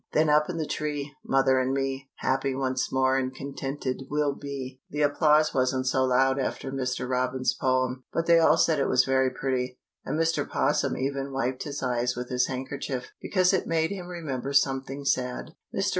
Then up in the tree, mother and me, Happy once more and contented we'll be. The applause wasn't so loud after Mr. Robin's poem, but they all said it was very pretty, and Mr. 'Possum even wiped his eyes with his handkerchief, because it made him remember something sad. Mr.